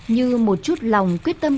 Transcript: như một chút lòng quyết tâm